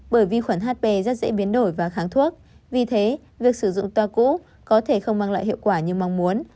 bởi vi khuẩn hp rất dễ biến đổi và kháng thuốc vì thế việc sử dụng toa cũ có thể không mang lại hiệu quả như mong muốn